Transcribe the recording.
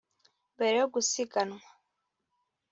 Mbere yo gusiganwa